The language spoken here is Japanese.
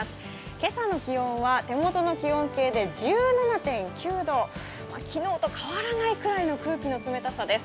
今の気温は手元の温度計で１７．９度、昨日と変わらないくらいの空気の冷たさです。